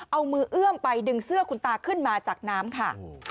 เอามือเอื้อมไปดึงเสื้อคุณตาขึ้นมาจากน้ำค่ะ